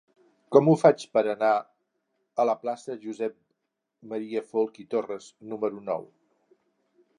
Com ho faig per anar a la plaça de Josep M. Folch i Torres número nou?